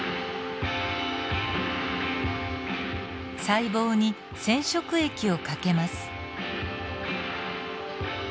細胞に染色液をかけます。